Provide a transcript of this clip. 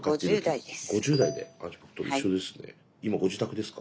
今ご自宅ですか？